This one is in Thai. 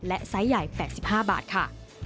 และไซส์ใหญ่๘๕บาทค่ะ